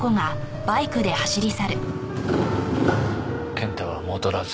健太は戻らず。